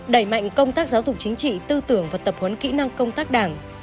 đẩy mạnh công tác giáo dục chính trị tư tưởng và tập huấn kỹ năng công tác đảng